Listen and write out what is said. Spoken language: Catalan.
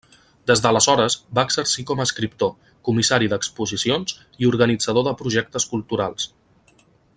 Des d'aleshores va exercir com a escriptor, comissari d'exposicions i organitzador de projectes culturals.